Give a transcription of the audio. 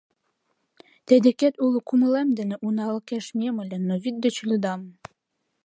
Тый декет уло кумылем дене уналыкеш мием ыле, но вӱд деч лӱдам.